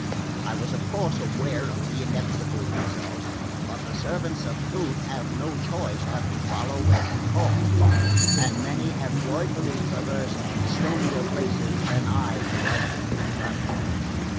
I was of course aware of the inevitable result; but the servants of Truth have no choice but to follow where she calls, and many have joyfully traversed stonier places than I am likely to travel."